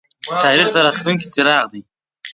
تاریخ د راتلونکي څراغ دی